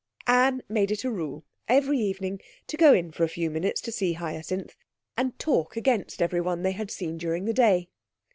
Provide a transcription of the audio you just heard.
Anne made it a rule every evening to go in for a few minutes to see Hyacinth and talk against everyone they had seen during the day.